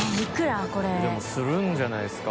でもするんじゃないですか？